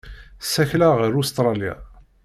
Ssakleɣ ɣer Ustṛalya.